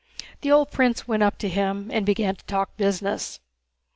The old prince went up to him and began to talk business.